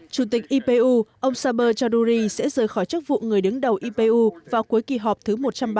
chủ tịch ipu ông saber darduri sẽ rời khỏi chức vụ người đứng đầu ipu vào cuối kỳ họp thứ một trăm ba mươi